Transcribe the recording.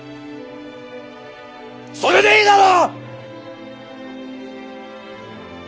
それでいいだろ！